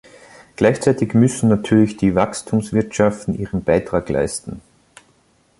Gleichzeitig müssen natürlich die Wachstumswirtschaften ihren Beitrag leisten.